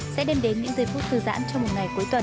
sẽ đem đến những giây phút thư giãn trong một ngày cuối tuần